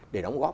để đóng góp